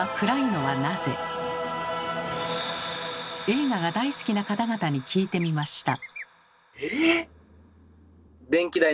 映画が大好きな方々に聞いてみました。